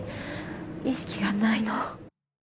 意識がないの。